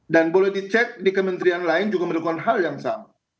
dan boleh dicek di kementerian lain juga melakukan hal yang sama